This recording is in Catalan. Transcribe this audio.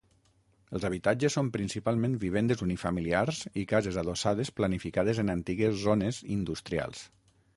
Els habitatges són principalment vivendes unifamiliars i cases adossades planificades en antigues zones industrials.